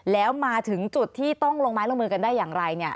แล้วมาถึงจุดที่ต้องลงไม้ลงมือกันได้อย่างไร